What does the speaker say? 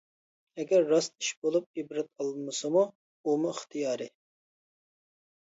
ئەگەر راست ئىش بولۇپ ئىبرەت ئالمىسىمۇ ئۇمۇ ئىختىيارى.